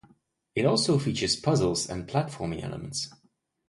It also features puzzles and platforming elements.